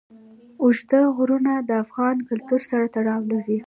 اوږده غرونه د افغان کلتور سره تړاو لري.